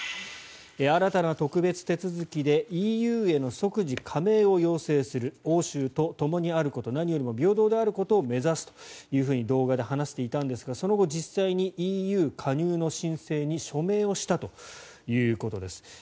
新たな特別手続きでＥＵへの即時加盟を要請する欧州とともにあること何よりも平等であることを目指すと動画で話していたんですがその後、実際にＥＵ加入の申請に署名をしたということです。